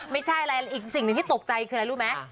ไม่ใช่อะไรอีกสิ่งหนึ่งที่ตกใจคืออะไรรู้ไหม